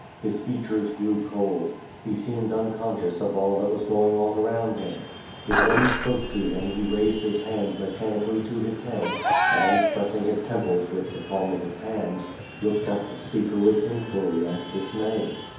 His features grew cold. He seemed un conscious of all that was going on around him. If one spoke to him he raised his hand mechanically to his head, and, pressing his temples with the palm of his hands, looked at the s))eaker with inquiry and dismay.